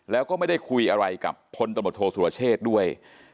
แล้วก็ไม่ได้คุยอะไรกับพลตำรวจโทษสุรเชษด้วย